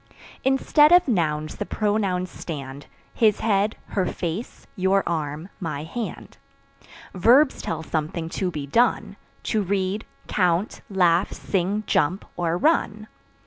Instead of Nouns the Pronouns stand His head, her face, your arm, my hand. Verbs tell something to be done To read, count, laugh, sing, jump or run.